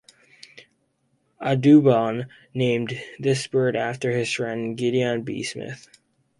Audubon named this bird after his friend Gideon B. Smith.